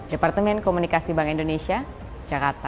departemen komunikasi bank indonesia jakarta